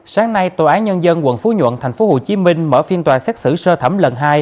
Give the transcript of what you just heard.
sáng nay tòa án nhân dân quận phú nhuận tp hcm mở phiên tòa xét xử sơ thẩm lần hai